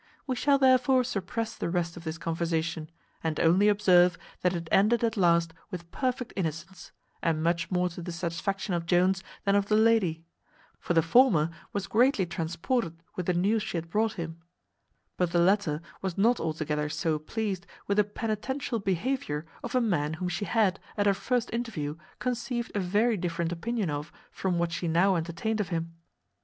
We shall therefore suppress the rest of this conversation, and only observe that it ended at last with perfect innocence, and much more to the satisfaction of Jones than of the lady; for the former was greatly transported with the news she had brought him; but the latter was not altogether so pleased with the penitential behaviour of a man whom she had, at her first interview, conceived a very different opinion of from what she now entertained of him.